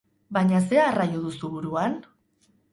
Baina zer arraio duzu buruan?